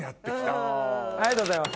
ありがとうございます。